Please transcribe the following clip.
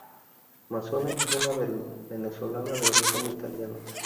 Mazzone es una venezolana de origen italiano.